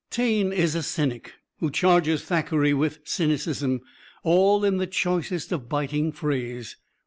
Taine is a cynic who charges Thackeray with cynicism, all in the choicest of biting phrase.